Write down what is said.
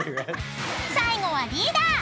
［最後はリーダー。